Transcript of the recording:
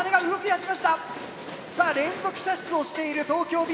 さあ連続射出をしている東京Ｂ